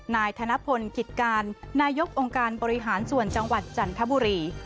นายธนพลกิจการนายกองค์การบริหารส่วนจังหวัดจันทบุรี